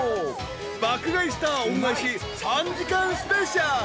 「爆買い☆スター恩返し」３時間スペシャル。